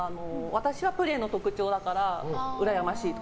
私はプレーの特徴だからうらやましいと。